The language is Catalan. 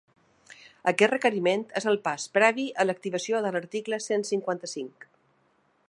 Aquest requeriment és el pas previ a l’activació de l’article cent cinquanta-cinc.